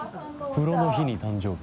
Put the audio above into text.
風呂の日に誕生日。